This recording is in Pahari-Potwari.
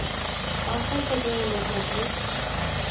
آنسیں کیدوں او لوک اوپرے